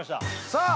さあ